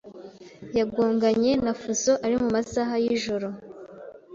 yagonganye na Fuso ari mu masaha y’ijoro